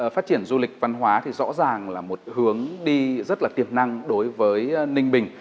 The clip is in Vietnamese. phát triển du lịch văn hóa thì rõ ràng là một hướng đi rất là tiềm năng đối với ninh bình